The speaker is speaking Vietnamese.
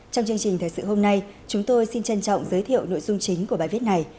trong chương trình thời sự hôm nay chúng tôi xin trân trọng giới thiệu nội dung chính của bài viết này